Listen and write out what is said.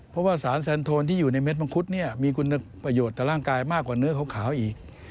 เพราะว่าสารแซนโทนที่อยู่ในเม็ดมังคุดเนี่ยมีคุณประโยชน์ต่อร่างกายมากกว่าเนื้อขาวอีก